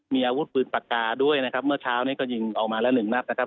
มีอาวุธปืนปากกาด้วยนะครับเมื่อเช้านี้ก็ยิงออกมาแล้วหนึ่งนัดนะครับ